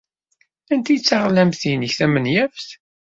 Anta ay d taɣlamt-nnek tamenyaft?